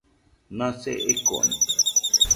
Nase ekono.